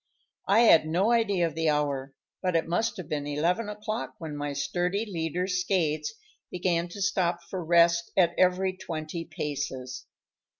I had no idea of the hour, but it must have been eleven o'clock when my sturdy leader, Skates, began to stop for rest at every twenty paces.